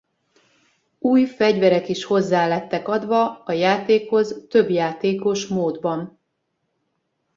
Új fegyverek is hozzá lettek adva a játékhoz többjátékos módban.